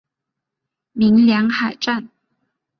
鸣梁海战